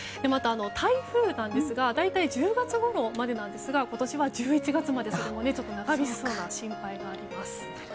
台風なんですが大体１０月ごろまでですが今年は１１月まで長引きそうな心配があります。